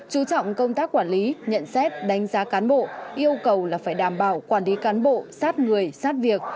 chú trọng công tác quản lý nhận xét đánh giá cán bộ yêu cầu là phải đảm bảo quản lý cán bộ sát người sát việc